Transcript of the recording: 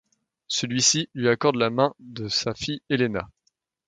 Celui-ci lui accorde la main de sa fille Elena.